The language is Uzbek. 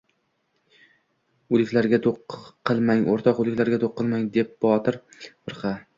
— Uliklarga do‘q qilmang, o‘rtoq, o‘liklarga do‘q qilmang, — ded Botir firqa.